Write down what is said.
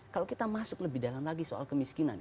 kalau kita masuk lebih dalam lagi soal kemiskinan